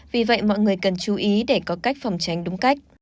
vì vậy mọi người cần chú ý để có cách phòng tránh đúng cách